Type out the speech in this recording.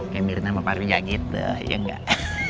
kayak mirna sama pak riza gitu ya enggak